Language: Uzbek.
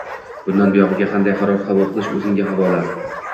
Bundan buyog`iga qanday qaror qabul qilish o`zingizga havola